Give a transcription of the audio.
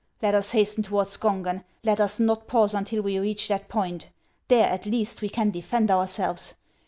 Let us hasten toward Skongen ; let us not pause until we reach that point. There, at least, we can defend ourselves.